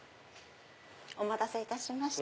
お待たせいたしました。